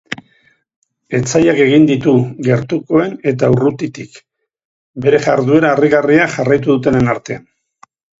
Etsaiak egin ditu gertukoen eta urrutitik, bere jarduera harrigarria jarraitu dutenen artean.